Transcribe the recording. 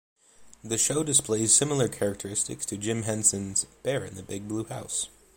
The show displays similar characteristics to Jim Henson's "Bear in the Big Blue House".